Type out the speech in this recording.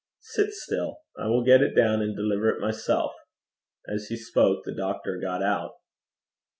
'Sit still. I will get it down, and deliver it myself.' As he spoke the doctor got out.